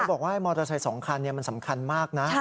บอกว่ามอเตอร์ไซค์๒คันมันสำคัญมากนะ